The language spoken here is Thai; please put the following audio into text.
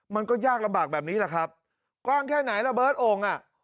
มันก็ยากลำบากแบบนี้แหละครับกว้างแค่ไหนระเบิร์ตโอ่งอ่ะ